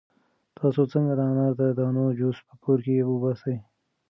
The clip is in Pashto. تاسو څنګه د انار د دانو جوس په کور کې وباسئ؟